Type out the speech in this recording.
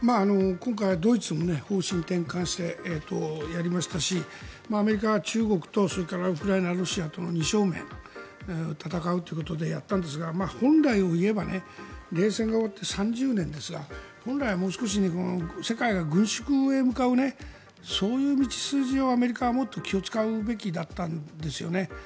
今回、ドイツも方針を転換してやりましたしアメリカが中国とウクライナ、ロシアと二正面で戦うということでやったんですが本来を言えば冷戦が終わって３０年ですが本来はもう少し世界が軍縮へ向かうそういう道筋をアメリカはもっと気を使うべきだったんですよね。